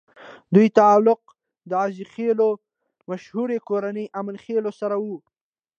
ددوي تعلق د عزيخېلو مشهورې کورنۍ اِمنه خېل سره وو